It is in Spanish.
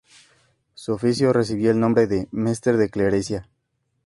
Su oficio recibía el nombre de "Mester de clerecía".